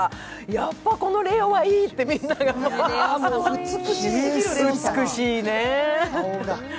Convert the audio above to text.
やっぱこのレオはいいってみんなが、美しいね。